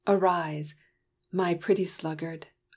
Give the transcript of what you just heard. arise, My pretty sluggard!